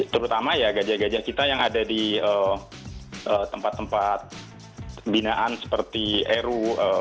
terutama ya gajah gajah kita yang ada di tempat tempat binaan seperti eru